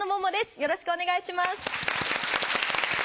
よろしくお願いします。